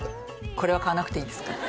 「これは買わなくていいですか？」